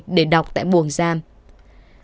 để đọc tại trại giam nam hà